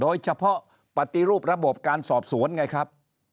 โดยเฉพาะปฏิรูประบบการสอบสวนไงครับ